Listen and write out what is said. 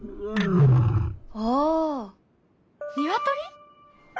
ああニワトリ？